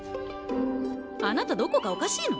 あなたどこかおかしいの？